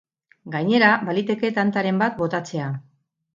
Gainera, baliteke tantaren bat botatzea.